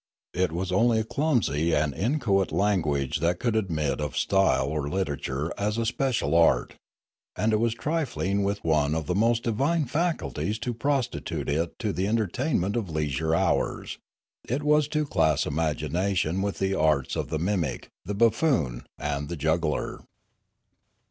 It was only a clumsy and inchoate language that could admit of style 80 Limanora or literature as a special art; and it was trifling with one of the most divine faculties to prostitute it to the entertainment of leisure hours; it was to class imagina tion with the arts of the mimic, the buffoon, and the juggler.